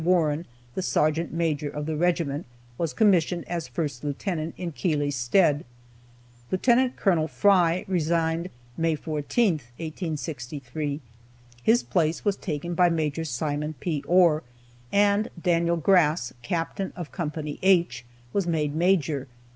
Warren, the sergeant major of the regiment, was commissioned as First Lieutenant in Keeley's stead. Lieut. Col. Fry resigned May 14, 1863. His place was taken by Major Simon P. Ohr, and Daniel Grass, Captain of Co. H, was made Major.